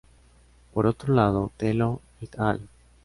Por otro lado, Tello "et al".